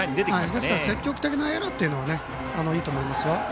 積極的なエラーというのはいいと思いますよ。